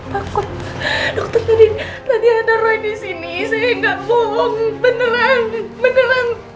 pakut dokter tadi ada roy di sini saya nggak bohong beneran beneran